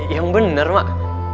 yang bener mak